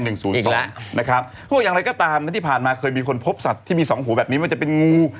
หรือว่ายังไงก็ตามที่ผ่านมาเคยมีคนพบสัตว์ที่มี๒หัวแบบนี้เหมือนจะเป็นงู